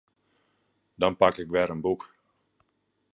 Dan pak ik wer in boek.